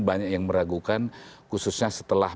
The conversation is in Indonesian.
banyak yang meragukan khususnya setelah